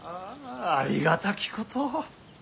ありがたきこと。